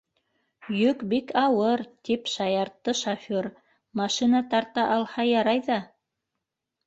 - Йөк бик ауыр, - тип шаяртты шофёр, - машина тарта алһа ярай ҙа.